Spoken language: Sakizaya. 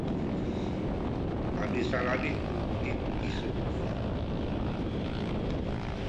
a misalami’ tu buting kisu.